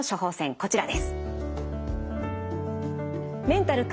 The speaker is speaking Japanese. こちらです。